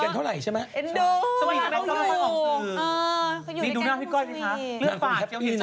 ต้องเห็นชัดดิคะ